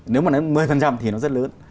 nếu mà đến mười phần trăm thì nó rất lớn